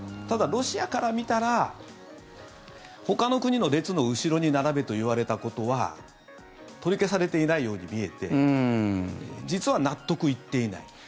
ただ、ロシアから見たらほかの国の列の後ろに並べと言われたことは取り消されていないように見えて実は、納得いっていない。